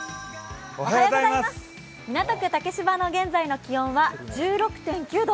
港区竹芝の現在の気温は１６．９度。